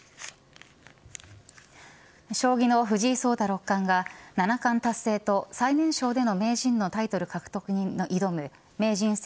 将棋の藤井聡太六冠が七冠達成と最年少での名人のタイトル獲得に挑む名人戦